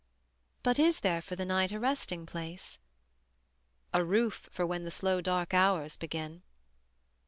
But is there for the night a resting place? A roof for when the slow dark hours begin.